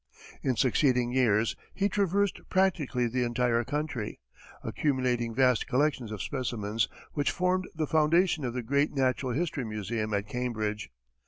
In succeeding years, he traversed practically the entire country, accumulating vast collections of specimens which formed the foundation of the great natural history museum at Cambridge.